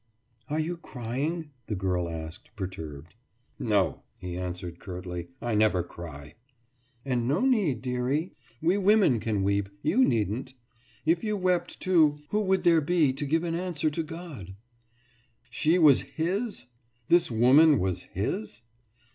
»Are you crying?« the girl asked, perturbed. »No,« he answered curtly. »I never cry.« »And no need, dearie; we women can weep; you needn't. If you wept, too, who would there be to give an answer to God?« She was his? This woman was his?